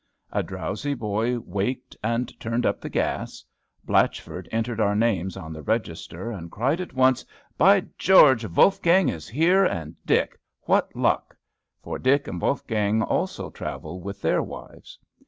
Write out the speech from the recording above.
A drowsy boy waked, and turned up the gas. Blatchford entered our names on the register, and cried at once, "By George, Wolfgang is here, and Dick! What luck!" for Dick and Wolfgang also travel with their wives.